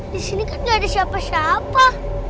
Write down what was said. disini kan ga ada siapa siapa